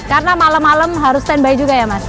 karena malam malam harus standby juga ya mas